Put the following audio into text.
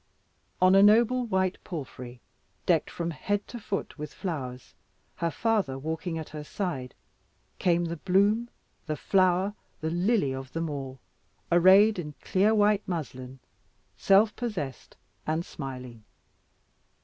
On a noble snow white palfrey, decked from head to foot with flowers, her father walking at her side, came the bloom, the flower, the lily of them all, arrayed in clear white muslin, self possessed, and smiling.